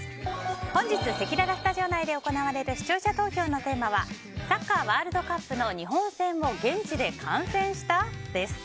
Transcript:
本日せきららスタジオ内で行われる視聴者投票のテーマはサッカーＷ杯の日本戦を現地で観戦した？です。